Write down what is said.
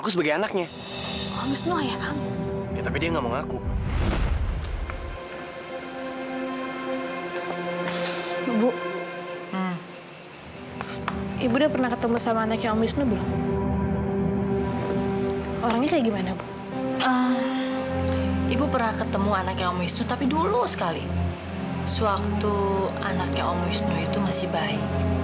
sewaktu anaknya om wisnu itu masih bayi